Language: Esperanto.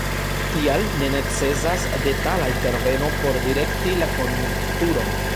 Tial ne necesas detala interveno por direkti la konjunkturon.